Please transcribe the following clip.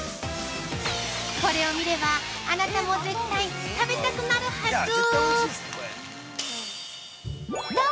これを見れば、あなたも絶対食べたくなるハズー。